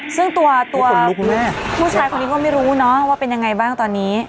ซึ่งตัวคุณแม่ผู้ชายคนนี้ก็ไม่รู้เนอะว่าเป็นยังไงบ้างตอนนี้